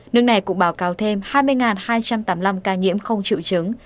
nước này cũng báo cáo thêm hai mươi hai trăm tám mươi năm ca nhiễm không chịu chứng